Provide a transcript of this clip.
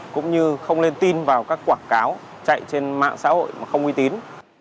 cũng như không lên tin vào các quảng cáo chạy trên mạng xã hội không uy tín